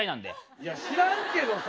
いや知らんけどさ。